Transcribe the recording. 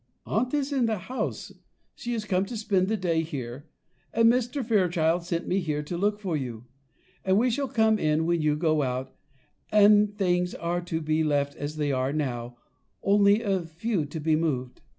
"Aunt is at the house, she is come to spend the day here; and Mr. Fairchild sent me here to look for you; and we shall come in when you go out; and things are to be left as they are now, only a few to be moved.